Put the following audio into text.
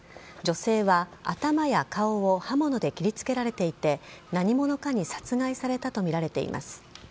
女性は頭や顔を刃物で切りつけられていて、何者かに殺害されたと見られています。